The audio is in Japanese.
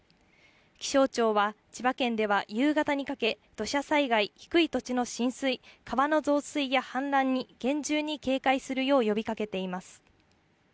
気象庁は、千葉県では夕方にかけ、土砂災害、低い土地の浸水、川の増水や氾濫に厳重に警戒するよう呼びかけています。